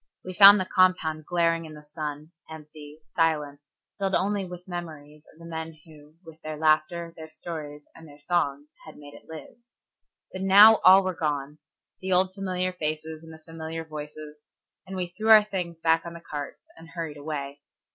We found the compound glaring in the sun, empty, silent, filled only with memories of the men who, with their laughter, their stories, and their songs had made it live. But now all were gone, the old familiar faces and the familiar voices, and we threw our things back on the carts and hurried away.